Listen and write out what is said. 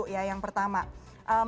oke saya akan ke mas surya dulu